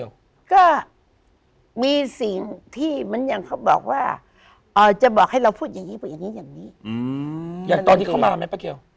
อยากตอนนี้เข้ามาไหมปะเกียว